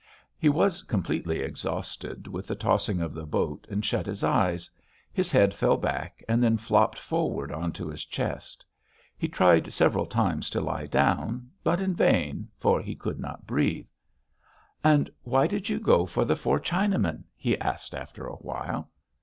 He was completely exhausted with the tossing of the boat and shut his eyes; his head fell back and then flopped forward onto his chest. He tried several times to lie down, but in vain, for he could not breathe. "And why did you go for the four Chinamen?" he asked after a while.